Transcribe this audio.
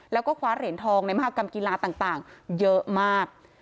แล้วก็คว้าเหรียญทองในมหากรรมกีฬาต่างเยอะมาก